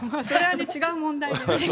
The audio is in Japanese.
違う問題。